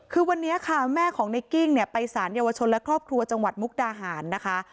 คือวันนี้ค่ะแม่ของในกิ้งเนี่ยไปสารเยาวชนและครอบครัวจังหวัดมุกดาหารนะคะ